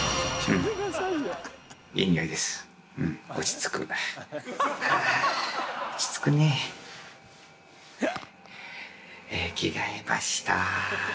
着替えました。